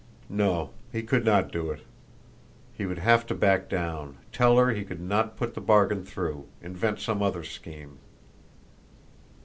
No, he could not do it. He would have to back down, tell her he could not put the bargain through, invent some other scheme.